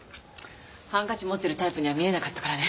ハンカチ持ってるタイプには見えなかったからね。